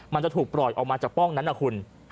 มันจะถูกปล่อยออกมาจากป้องนั้นนะคุณ